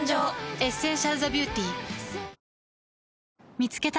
「エッセンシャルザビューティ」見つけた。